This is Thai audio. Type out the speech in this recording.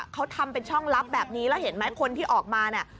เขาทำเป็นช่องลับแบบนี้แล้วเห็นไหมคนที่ออกมาเนี่ย